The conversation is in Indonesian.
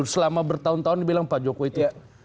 selama bertahun tahun bilang pak joko itu